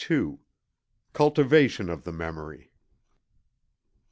CULTIVATION OF THE MEMORY.